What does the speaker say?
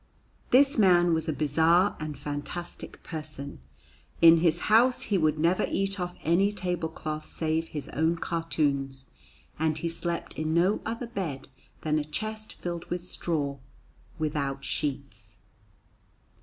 This man was a bizarre and fantastic person. In his house he would never eat off any table cloth save his own cartoons, and he slept in no other bed than a chest filled with straw, without sheets.